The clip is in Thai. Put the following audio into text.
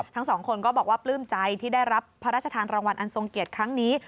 ทั้งสองคนก็บอกว่าปลื้มใจที่ได้รับพระราชทานรางวัลอันทรงเกียรติครั้งนี้